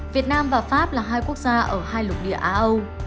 việt nam và pháp là hai quốc gia ở hai lục địa á âu